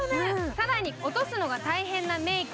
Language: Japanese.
更に、落とすのが大変なメイク。